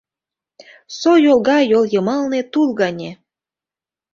Со йолга йол йымалне тул гане.